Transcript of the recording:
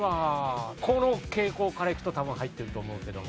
この傾向からいくと多分入ってると思うけども。